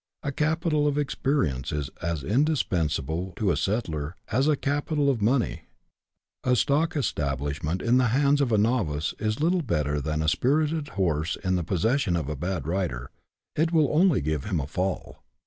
A capital of experience is as indispensable to a settler as a capital of money : a stock establishment in the hands of a novice is little better than a spirited horse in the possession of a bad rider — it will only give him a fall.